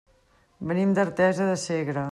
Venim d'Artesa de Segre.